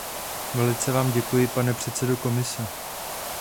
Velice vám děkuji, pane předsedo Komise.